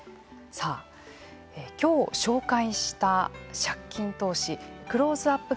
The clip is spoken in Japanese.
さあ、きょう紹介した借金投資クローズアップ